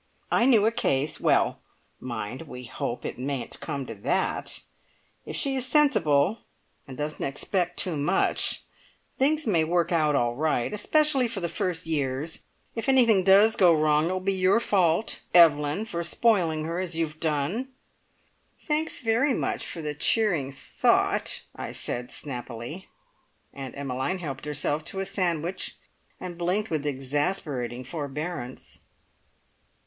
I knew a case. Well, mind, we'll hope it mayn't come to that! If she is sensible and doesn't expect too much, things may work out all right. Especially for the first years. If anything does go wrong, it will be your fault, Evelyn, for spoiling her as you have done." "Thanks very much for the cheering thought," I said snappily. Aunt Emmeline helped herself to a sandwich, and blinked with exasperating forbearance.